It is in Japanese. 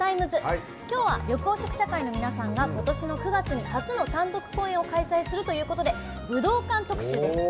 きょうは緑黄色社会の皆さんがことしの９月に初の単独公演を開催するということで武道館特集です。